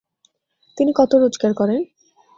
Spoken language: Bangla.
তিনি কত রোজগার করেন?